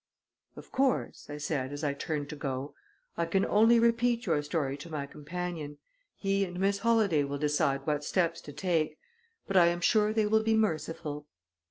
"Of course," I said, as I turned to go, "I can only repeat your story to my companion. He and Miss Holladay will decide what steps to take. But I am sure they will be merciful."